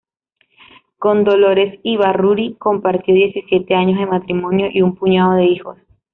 Con Dolores Ibárruri compartió diecisiete años de matrimonio y un puñado de hijos.